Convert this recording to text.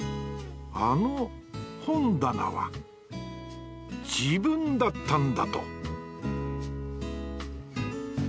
あの本棚は自分だったんだと